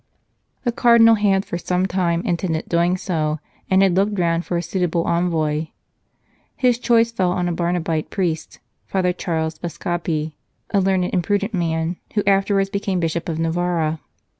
The Cardinal had for some time intended doing so, and had looked round for a suitable envoy. His choice fell on a Barnabite priest, Father Charles Bascape, a learned and prudent man, who afterwards became Bishop of Novara.